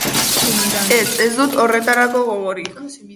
Ez, ez dut horretarako gogorik.